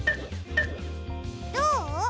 どう？